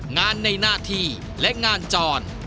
งานในหน้าที่และงานจร